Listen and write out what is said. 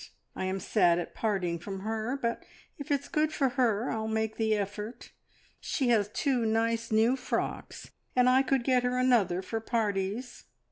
I am sad at parting from her, but if it's for her good I'll make the effort. She has two nice new frocks, and I could get her another for parties."